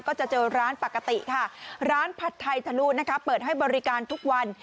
ก็จะเจอร้านปกติค่ะร้านผัดไทยทะลุนะคะเปิดให้บริการทุกวัน